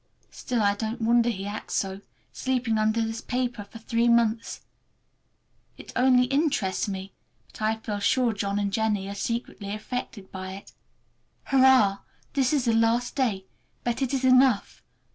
Still, I don't wonder he acts so, sleeping under this paper for three months. It only interests me, but I feel sure John and Jennie are secretly affected by it. Hurrah! This is the last day, but it is enough.